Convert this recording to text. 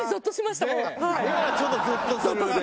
今のはちょっとゾッとするね。